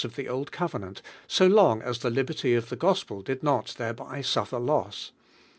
of the Old Covenant so long as the lib erty of the Gospel did not thereby suffer Chapter XXXII. loss.